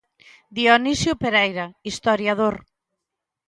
Dionísio Pereira, historiador.